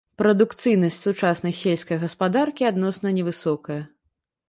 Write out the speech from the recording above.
Прадукцыйнасць сучаснай сельскай гаспадаркі адносна невысокая.